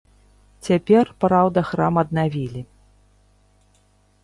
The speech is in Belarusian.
Цяпер, праўда, храм аднавілі.